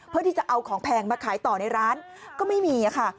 เพื่อที่จะเอาของแพงมาขายต่อในร้านก็ไม่มีค่ะ